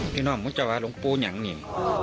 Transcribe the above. พี่น้องมูจาวรุงปูอย่างนี้